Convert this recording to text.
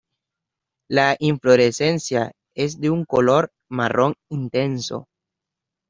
La inflorescencia es de un color marrón intenso.